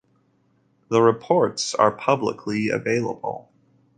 The reports are publicly available.